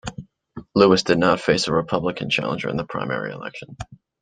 Lewis did not face a Republican challenger in the primary election.